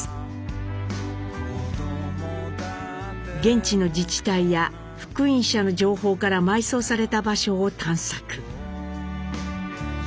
現地の自治体や復員者の情報から埋葬された場所を探索。